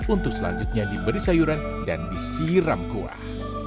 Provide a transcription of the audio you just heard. untuk selanjutnya diberi sayuran dan disiram kuah